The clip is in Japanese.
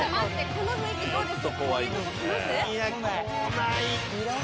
この雰囲気どうです？